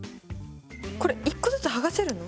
これ１個ずつ剥がせるの？